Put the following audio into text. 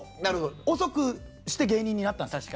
遅くして芸人になったんです。